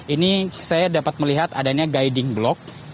ini saya dapat melihat adanya guiding block